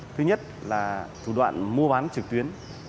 thứ nhất là thủ đoạn mua bán trực tuyến